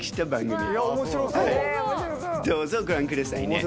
どうぞご覧くださいね。